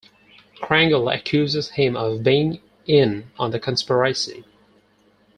Crangle accuses him of being in on the conspiracy.